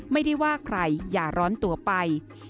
ไม่ได้ว่าใครอย่าร้อนตัวไป